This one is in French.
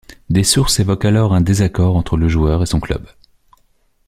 Des sources évoquent alors un désaccord entre le joueur et son club.